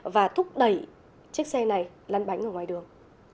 và thúc đẩy chiếc xe này lăn bánh ở ngoài đường